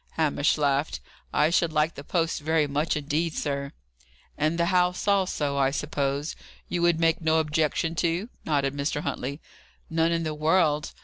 Hamish laughed. "I should like the post very much indeed, sir." "And the house also, I suppose, you would make no objection to?" nodded Mr. Huntley. "None in the world.